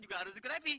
ibu mau menjawab evolve